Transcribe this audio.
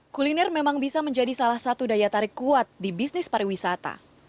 kuliner memang bisa menjadi salah satu daya tarik kuat di bisnis pariwisata